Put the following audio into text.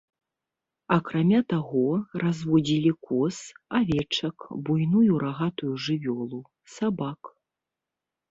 Акрамя таго, разводзілі коз, авечак, буйную рагатую жывёлу, сабак.